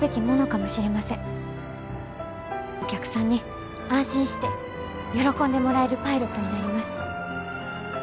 お客さんに安心して喜んでもらえるパイロットになります。